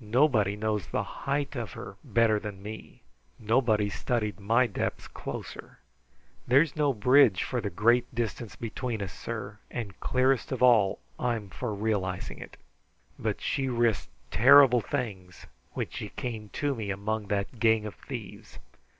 Nobody knows the height of her better than me. Nobody's studied my depths closer. There's no bridge for the great distance between us, sir, and clearest of all, I'm for realizing it: but she risked terrible things when she came to me among that gang of thieves.